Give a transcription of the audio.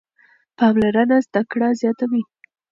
پاملرنه زده کړه زیاتوي.